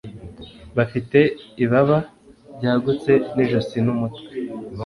Bafite ibaba ryagutse nijosi n'umutwe